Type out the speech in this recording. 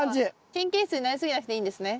神経質になり過ぎなくていいんですね。